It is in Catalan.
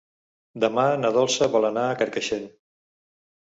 Demà na Dolça vol anar a Carcaixent.